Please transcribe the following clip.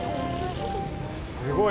すごい。